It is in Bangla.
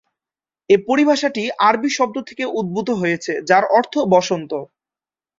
এ পরিভাষাটি আরবি শব্দ থেকে উদ্ভূত হয়েছে, যার অর্থ বসন্ত।